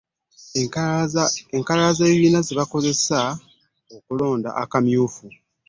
Enkalala z'ekibiina ze bakozesa mu kulonda kw'akamyufu.